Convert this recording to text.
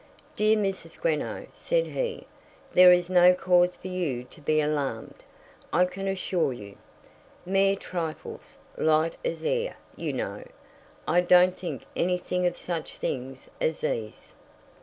"Dear Mrs. Greenow," said he, "there is no cause for you to be alarmed, I can assure you. Mere trifles; light as air, you know. I don't think anything of such things as these."